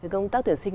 công tác tuyển sinh